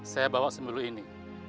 saya bawa sebelum ini